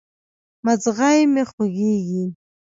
مځغی مي خوږیږي